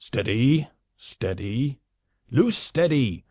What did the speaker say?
"Steady, steady! Loose steady!